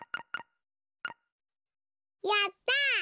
やった！